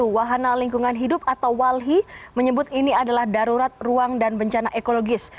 wahana lingkungan hidup atau walhi menyebut ini adalah darurat ruang dan bencana ekologis